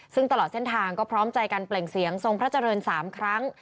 ซึ่งตลอดเส้นทางก็พร้อมใจกันเปล่งเสียงทรงพระเจริญ๓ครั้ง